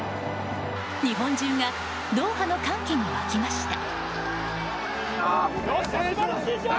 日本中がドーハの歓喜に沸きました。